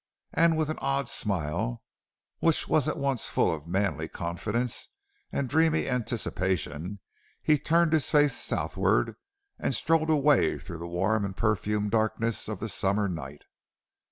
And with an odd smile, which was at once full of manly confidence and dreamy anticipation, he turned his face southward and strode away through the warm and perfumed darkness of the summer night.